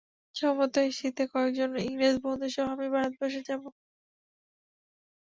সম্ভবত এই শীতে কয়েকজন ইংরেজ বন্ধু সহ আমি ভারতবর্ষে যাব।